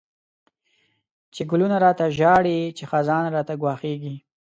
چی ګلونه ړاته ژاړی، چی خزان راته ګواښيږی